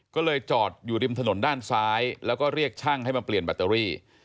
ก็เลยจอดอยู่ริมถนนด้านซ้ายแล้วก็เรียกช่างให้มาเปลี่ยนแบตเตอรี่